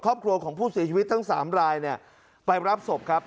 ครอบครัวของผู้เสียชีวิตทั้งสามรายเนี่ยไปรับศพครับ